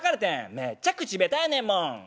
めっちゃ口べたやねんもん」。